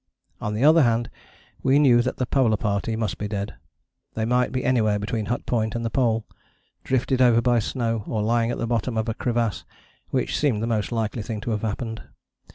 On the other hand we knew that the Polar Party must be dead. They might be anywhere between Hut Point and the Pole, drifted over by snow, or lying at the bottom of a crevasse, which seemed the most likely thing to have happened.